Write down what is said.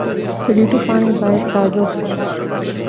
د لیټو پاڼې باید تازه وخوړل شي.